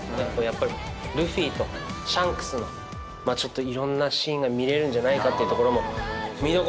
やっぱりルフィとシャンクスのまあちょっといろんなシーンが見れるんじゃないかってとこも見どころなんで。